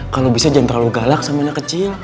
kalau bisa jangan terlalu galak sama anak kecil